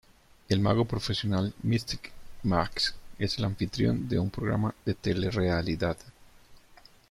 El mago profesional "Mystic Max" es el anfitrión de un programa de telerrealidad.